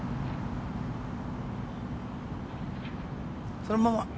そのまま。